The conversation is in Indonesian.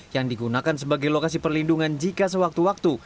yang digunakan sebagai lokasi perlindungan jika sewaktu waktu